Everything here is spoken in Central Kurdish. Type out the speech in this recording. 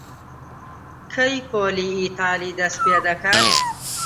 کەی پۆلی ئیتاڵی دەست پێ دەکات؟